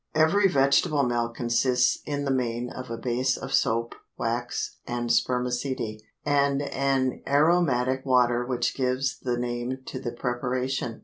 Every vegetable milk consists in the main of a base of soap, wax, and spermaceti, and an aromatic water which gives the name to the preparation.